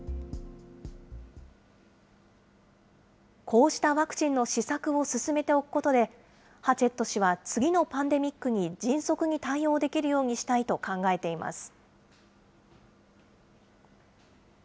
こうしたワクチンの試作を進めておくことで、ハチェット氏は、次のパンデミックに迅速に対応できるようにしたいと考えています。